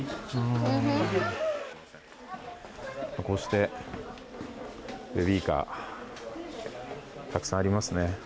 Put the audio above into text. こうしてベビーカーたくさんありますね。